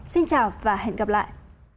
xin chào và hẹn gặp lại